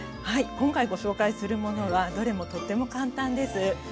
はい今回ご紹介するものはどれもとても簡単です。